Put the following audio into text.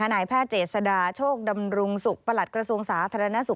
นายแพทย์เจษดาโชคดำรุงสุขประหลัดกระทรวงสาธารณสุข